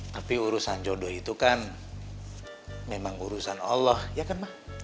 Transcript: tapi urusan jodoh itu kan memang urusan allah ya kan mah